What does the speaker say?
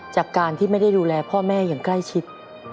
จากการที่ไม่ได้ดูแลพ่อแม่อย่างใกล้ชิด